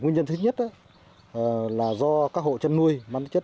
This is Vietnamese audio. nguyên nhân thứ nhất là do các hộ chất nuôi bị nhiễm bệnh